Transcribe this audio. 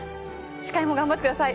司会も頑張ってください。